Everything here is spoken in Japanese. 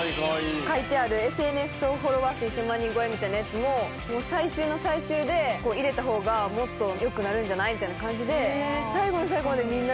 書いてある「ＳＮＳ総フォロワー数１０００万人超」みたいなやつも最終の最終で入れたほうがもっと良くなるんじゃない？みたいな感じで。